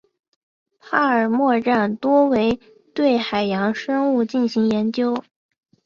帕尔默站多为对海洋生物进行研究。